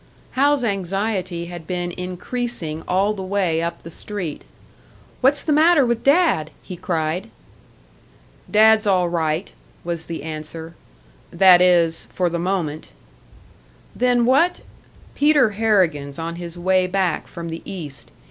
Hal's anxiety had been increasing all the way up the street. "What's the matter with Dad?" he cried. "Dad's all right," was the answer "that is, for the moment." "Then what ?" "Peter Harrigan's on his way back from the East.